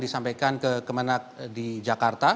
disampaikan ke kemenang di jakarta